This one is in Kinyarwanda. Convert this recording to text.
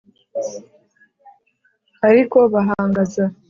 ari ko bahangaza.